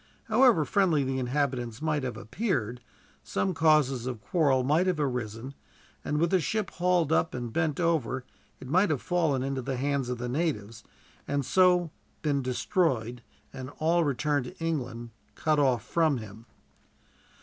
However friendly the inhabitants might have appeared, some causes of quarrel might have arisen; and with the ship hauled up and bent over, it might have fallen into the hands of the natives, and so been destroyed, and all return to England cut off from him.